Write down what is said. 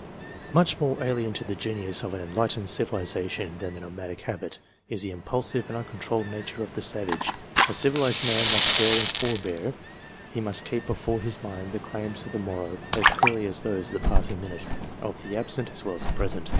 Much more alien to the genius of an enlightened civili zation than the nomadic habit, is the impulsive and uncon trolled nature of the savage. A civilized man must bear and forbear, he must keep before his mind the claims of the morrow as clearly as those of the passing minute ; of the absent, as well as of the present.